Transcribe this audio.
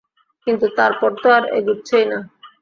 কিন্তু তারপর তো আর এগুচ্ছেই না।